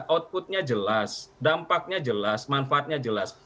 output nya jelas dampaknya jelas manfaatnya jelas